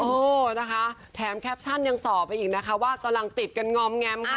โอ้นะคะแถมแคปชั่นยังสอบไปอีกนะคะว่ากำลังติดกันงอมแงมค่ะ